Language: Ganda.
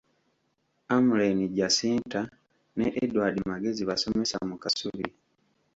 Amlen Jacinta ne Edward Magezi basomesa mu Kasubi